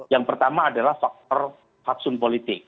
yang pertama adalah faktor faksun politik